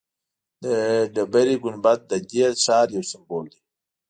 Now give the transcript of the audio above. د ډبرې ګنبد ددې ښار یو سمبول دی.